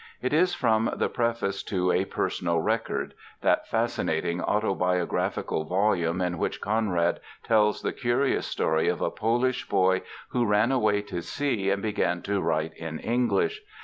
It is from the preface to A Personal Record, that fascinating autobiographical volume in which Conrad tells the curious story of a Polish boy who ran away to sea and began to write in English.